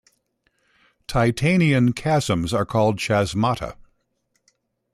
Titanian chasms are called chasmata.